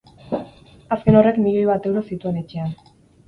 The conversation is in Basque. Azken horrek milioi bat euro zituen etxean.